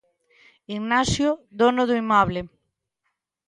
Ignacio Dono do inmoble.